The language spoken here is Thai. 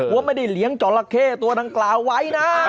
ว่าไม่ได้เลี้ยงจราเข้ตัวดังกล่าวไว้นะ